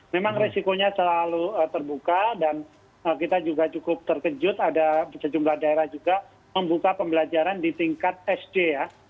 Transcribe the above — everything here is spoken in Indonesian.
memang resikonya selalu terbuka dan kita juga cukup terkejut ada sejumlah daerah juga membuka pembelajaran di tingkat sd ya